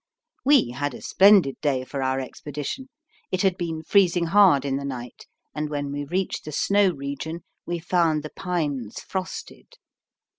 We had a splendid day for our expedition. It had been freezing hard in the night, and when we reached the snow region we found the pines frosted.